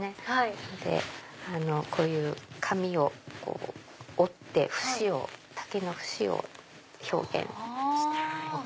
なのでこういう紙を折って竹の節を表現してます。